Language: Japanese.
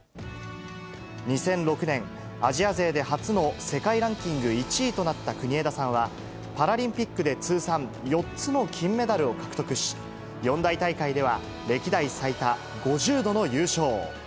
２００６年、アジア勢で初の世界ランキング１位となった国枝さんは、パラリンピックで通算４つの金メダルを獲得し、四大大会では歴代最多５０度の優勝。